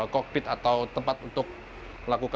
kokpit atau tempat untuk